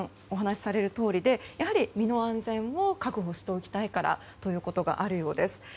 お話しされるとおりでやはり身の安全を確保しておきたいからということがあるようです。